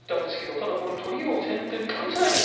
ただこれ取りを先手でこれつらいです。